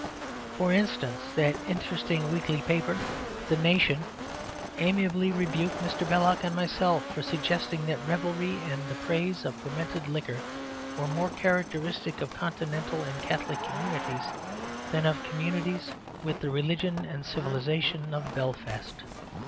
For instance, that interesting weekly paper The Nation amiably rebuked Mr. Belloc and myself for suggesting that revelry and the praise of fermented liquor were more characteristic of Continental and Catholic communities than of communities with the religion and civilisation of Belfast.